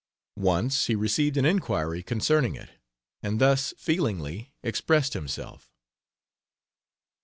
Once he received an inquiry concerning it, and thus feelingly expressed himself.